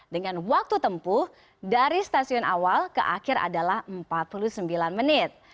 dengan waktu tempuh dari stasiun awal ke akhir adalah empat puluh sembilan menit